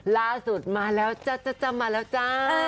ล่าสุดมาแล้วจ๊ะมาแล้วจ้า